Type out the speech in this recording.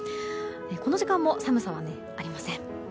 この時間も寒さはありません。